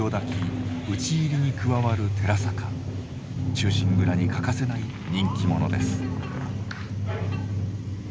「忠臣蔵」に欠かせない人気者です。